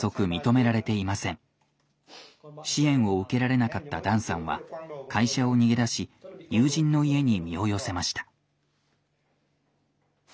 支援を受けられなかったダンさんは会社を逃げ出し友人の家に身を寄せました。